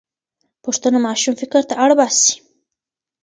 پوښتنه ماشوم فکر ته اړ باسي.